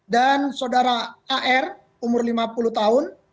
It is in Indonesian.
dan saudara ar umur lima puluh tahun